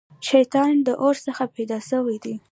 شيطان د اور څخه پيدا سوی دی